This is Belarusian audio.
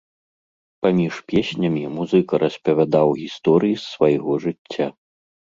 Паміж песнямі музыка распавядаў гісторыі з свайго жыцця.